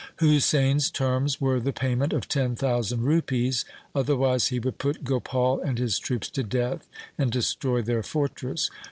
Husain's terms were the payment of ten thousand rupees, otherwise he would put Gopal and his troops to death and destroy their fortress.